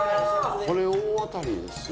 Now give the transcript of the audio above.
これ大当たりですよ。